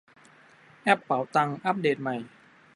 แอปเป๋าตังอัปเดตใหม่